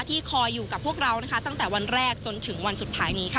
ที่คอยอยู่กับพวกเรานะคะตั้งแต่วันแรกจนถึงวันสุดท้ายนี้ค่ะ